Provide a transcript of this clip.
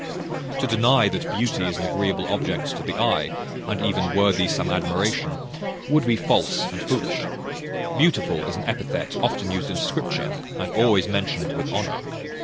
"To deny that beauty is an agreeable object to the eye, and even worthy some admiration, would be false and foolish. Beautiful is an epithet often used in Scripture, and always mentioned with honour.